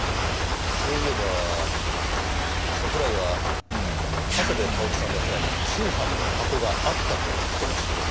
そういえば桜井は長谷部薫さんの部屋に通販の箱があったと言ってましたが。